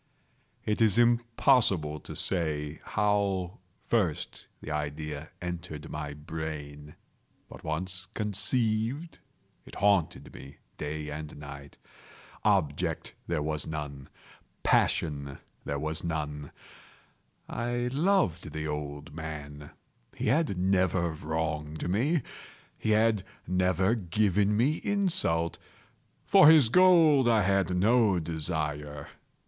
It is impossible to say how first the idea entered my brain; but once conceived, it haunted me day and night. Object there was none. Passion there was none. I loved the old man. He had never wronged me. He had never given me insult. For his gold I had no desire.